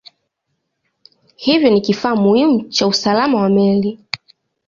Hivyo ni kifaa muhimu cha usalama wa meli.